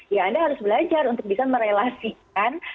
ya anda harus belajar untuk bisa merelasikan